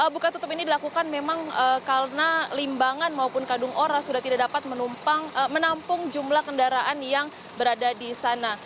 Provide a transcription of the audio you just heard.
buka tutup ini dilakukan memang karena limbangan maupun kadung ora sudah tidak dapat menampung jumlah kendaraan yang berada di sana